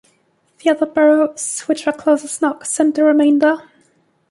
The other boroughs, which were close or snug, sent the remainder.